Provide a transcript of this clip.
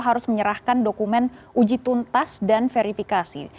harus menyerahkan dokumen uji tuntas dan verifikasi